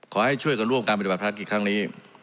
ขอให้ช่วยกันร่วมการปฏิบัติภารกิจครั้งนี้